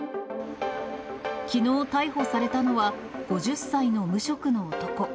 きのう逮捕されたのは、５０歳の無職の男。